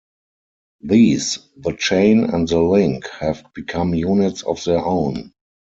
These, the chain and the link, have become units of their own.